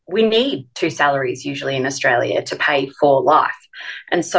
kita butuh dua salari di australia untuk membayar hidup